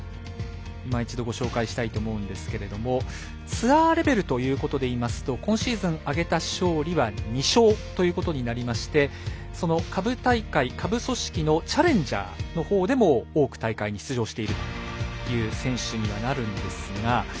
いま一度ご紹介したいと思うんですけれどツアーレベルということでいいますと今シーズン挙げた勝利は２勝ということになりまして下部大会、下部組織のチャレンジャーのほうでも多く大会に出場しているという選手にはなるんですが。